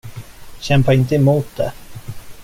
Kämpa inte emot det.